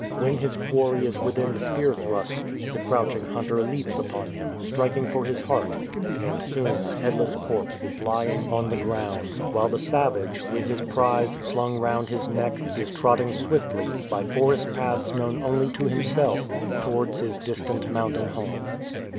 When his quarry is within spear thrust, the crouching hunter leaps upon him, striking for his heart ; and soon a headless corpse is lying on the METHODS OF ATTACK ground, while the savage, with his prize slung round his neck, is trotting swiftly, by forest paths known only to himself, towards his distant mountain home.